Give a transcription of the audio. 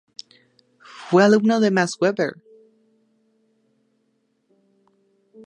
Fue alumno de Max Weber.